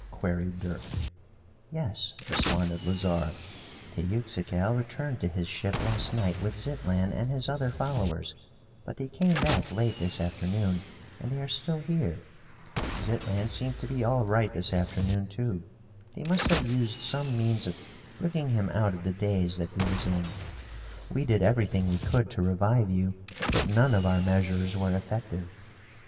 queried Dirk. "Yes," responded Lazarre. "Teuxical returned to his ship last night with Zitlan and his other followers, but they came back late this afternoon, and they are still here. Zitlan seemed to be all right this afternoon, too. They must have used some means of bringing him out of the daze that he was in. We did everything we could to revive you, but none of our measures were effective."